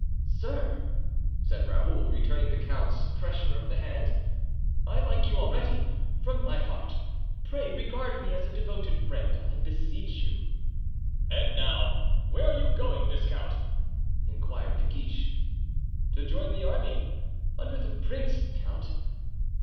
"Sir," said Raoul, returning the count's pressure of the hand, "I like you already, from my heart; pray regard me as a devoted friend, I beseech you." "And now, where are you going, viscount?" inquired De Guiche. "To join the army, under the prince, count."